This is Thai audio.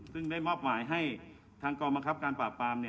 ซึ่งได้มอบหมายให้ทางกองบังคับการปราบปราม